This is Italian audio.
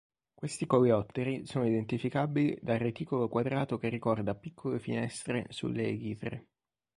Questi coleotteri sono identificabili dal reticolo quadrato che ricorda piccole finestre sulle elitre.